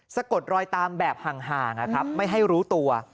สะกดรอยตามแบบห่างนะครับไม่ให้รู้ตัว